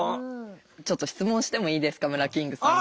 ちょっと質問してもいいですかムラキングさんに。